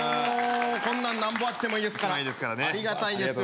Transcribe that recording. こんなんなんぼあってもいいですからありがたいですよ